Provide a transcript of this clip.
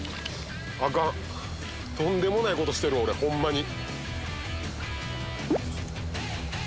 アカンとんでもないことしてる俺ホンマに。